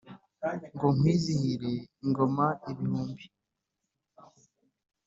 Ngo nkwizihire ingoma ibihumbi